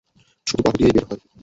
শুধু বাহু দিয়েই বের হয়।